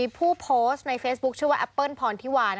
ผู้โพสต์ในเฟซบุ๊คชื่อว่าแอปเปิ้ลพรทิวา